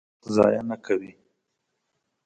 ژوندي وخت ضایع نه کوي